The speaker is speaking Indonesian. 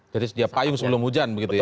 jadi dia payung sebelum hujan begitu ya